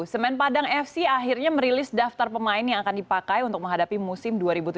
semen padang fc akhirnya merilis daftar pemain yang akan dipakai untuk menghadapi musim dua ribu tujuh belas